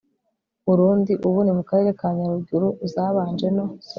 burundi, ubu ni mu karere ka nyaruguru. zabanje no